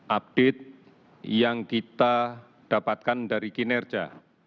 update yang kita dapatkan dari kinerja